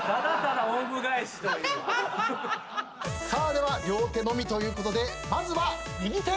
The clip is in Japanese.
さあでは両手のみということでまずは右手。